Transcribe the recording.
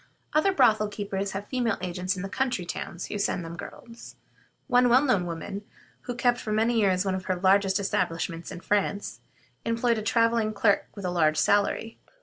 Other brothel keepers have female agents in the country towns, who send them girls. One well known woman, who kept for many years one of the largest establishments in France, employed a traveling clerk with a large salary.